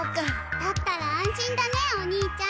だったら安心だねお兄ちゃん。